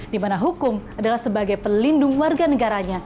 dimana hukum adalah sebagai pelindung warga negaranya